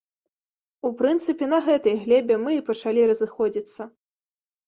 У прынцыпе, на гэтай глебе мы і пачалі разыходзіцца.